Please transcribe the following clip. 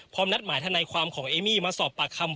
นัดหมายทนายความของเอมี่มาสอบปากคำ